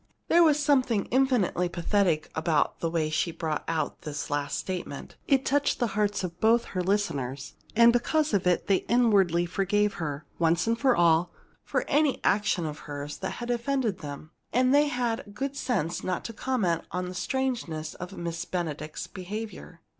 There was something infinitely pathetic about the way she brought out this last statement. It touched the hearts of both her listeners, and because of it they inwardly forgave her, once and for all, for any action of hers that had offended them. And they had the good sense not to comment on the strangeness of Miss Benedict's behavior.